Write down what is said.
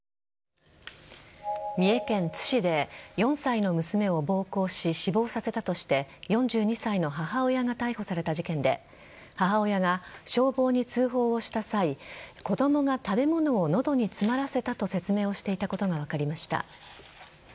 三重県津市で４歳の娘を暴行し死亡させたとして４２歳の母親が逮捕された事件で母親が消防に通報をした際子供が食べ物を喉に詰まらせたと説明していたことが分かりました。